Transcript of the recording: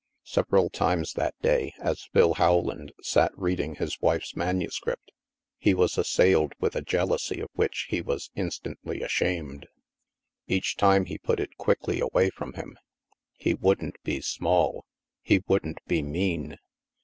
Several times that day, as Phil Rowland sat reading his wife's manuscript, he was assailed with a jealousy of which he was instantly ashamed. Each time he put it quickly away from him. He wouldn't be small — he wouldn't be mean.